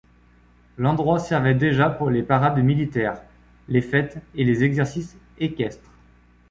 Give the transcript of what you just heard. L'endroit servait déjà pour les parades militaires, les fêtes et les exercices équestres.